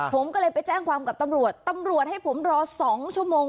ผมก็เลยไปแจ้งความกับตำรวจตำรวจให้ผมรอ๒ชั่วโมง